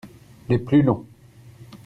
Les plus longs.